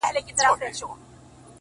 ځكه د كلي مشر ژوند د خواركي ورانوي ـ